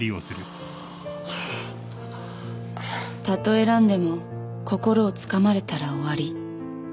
たとえランでも心をつかまれたら終わり。